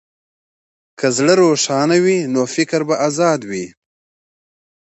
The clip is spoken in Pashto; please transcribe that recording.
که زړه روښانه وي، نو فکر به ازاد وي.